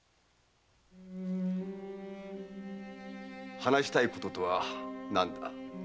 話したいこととは何だ？